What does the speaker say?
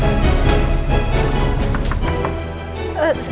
kau dengan apa nih